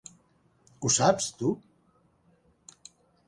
Ho saps, tu?